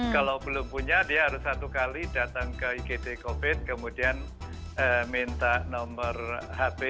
kalau belum punya dia harus satu kali datang ke igd covid kemudian minta nomor hp